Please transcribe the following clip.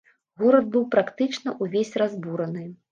Горад быў практычна ўвесь разбураны.